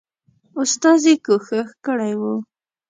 استازي کوښښ کړی وو.